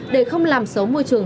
để không làm xấu môi trường